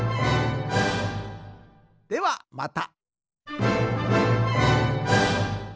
ではまた。